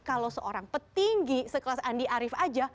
kalau seorang petinggi sekelas andi arief aja